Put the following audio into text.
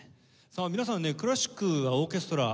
さあ皆さんねクラシックやオーケストラ